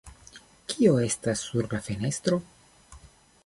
Kio estas sur la fenestro?